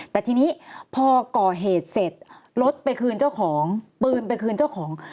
แต่ทีนี้พอก่อเหตุเสร็จรถไปคืนเจ้าของปืนไปคืนเจ้าของ